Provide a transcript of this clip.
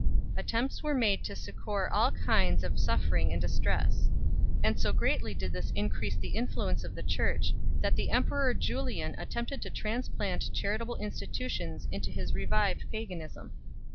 Attempts were made to succour all kinds of suffering and distress ; and so greatly did this increase the influence of the Church, that the emperor Julian at tempted to transplant charitable institutions into his re 1 Codex Just.